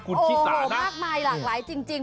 หลากหลายจริง